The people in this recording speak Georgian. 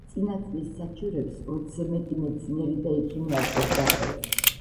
წინა წლის საჩივრებს ოცზე მეტი მეცნიერი და ექიმი აწერდა ხელს.